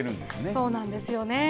そうなんですよね。